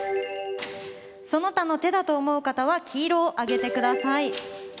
その他の手だと思う方は黄色を上げてください。